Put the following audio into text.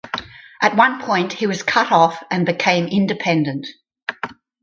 At one point he was cut off and became independent.